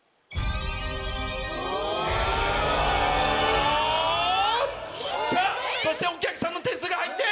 お⁉そしてお客さんの点数が入って！